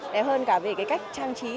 đẹp hơn cả về cái cách trang trí